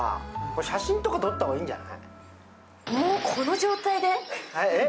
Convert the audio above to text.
写真とか撮った方がいいんじゃない？